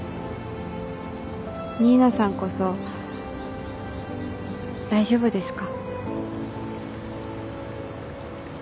新名さんこそ大丈夫ですか？